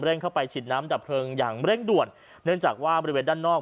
เข้าไปฉีดน้ำดับเพลิงอย่างเร่งด่วนเนื่องจากว่าบริเวณด้านนอก